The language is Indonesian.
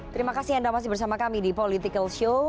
terima kasih anda masih bersama kami di politikalshow